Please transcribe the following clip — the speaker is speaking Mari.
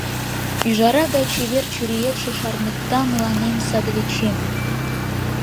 Ӱжара гай чевер чуриетше шарныкта мыланем садвечем.